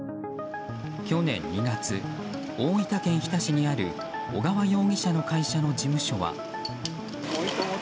去年２月、大分県日田市にある小川容疑者の会社の事務所は。